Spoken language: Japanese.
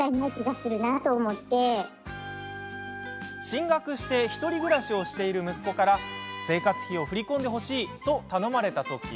進学して１人暮らしをしている息子から生活費を振り込んでほしいと頼まれたとき